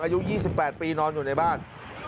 อายุ๒๘ปีนอนอยู่ในบ้าน